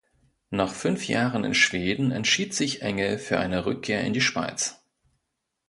Nach fünf Jahren in Schweden entschied sich Engel für eine Rückkehr in die Schweiz.